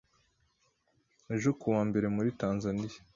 Ejo ku wa mbere muri Tanzania